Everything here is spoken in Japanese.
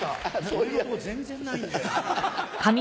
俺の方全然ないんだよな。